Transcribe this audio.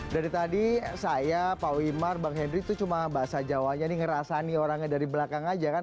dari tadi saya pak wimar bang henry itu cuma bahasa jawanya nih ngerasani orangnya dari belakang aja kan